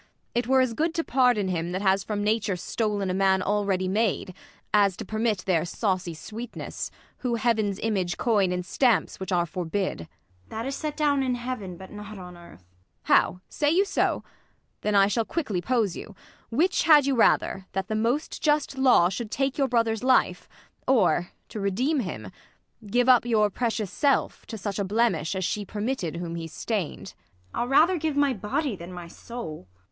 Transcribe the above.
It were as good To pardon him that has from nature stol'n A man already made, as to permit Their saucy sweetness, Avho Heaven's image coin In stamps which are forbid. IsAB. That is set down in Heaven, but not on earth. Ang. How ! say you so 1 then I shall cpiickly poze you. "Which had you rather, that the most just law Should take your brother's life, or, to redeem him, Give up your precious self to such a blemish As she permitted whom he stain'd 1 ISAB. I'll rather give my body than my soul.